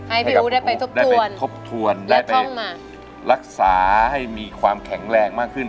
ให้พี่อู๋ได้ไปทบทวนทบทวนได้ไปรักษาให้มีความแข็งแรงมากขึ้น